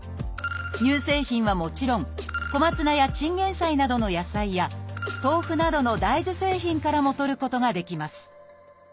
乳製品はもちろんコマツナやチンゲンサイなどの野菜や豆腐などの大豆製品からもとることができます